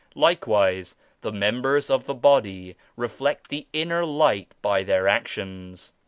Likewise the members of the body reflect the inner Light by their actions.